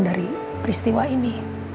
dari peristiwa ini